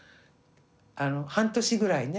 半年ぐらいね